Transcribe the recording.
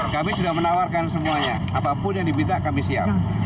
kami sudah menawarkan semuanya apapun yang diminta kami siap